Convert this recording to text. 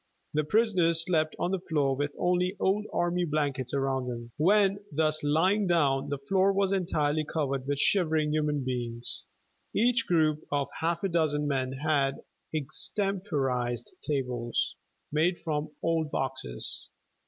The prisoners slept on the floor, with only old army blankets around them. When thus lying down, the floor was entirely covered with shivering human beings. Each group of half a dozen men had extemporized tables, made from old boxes.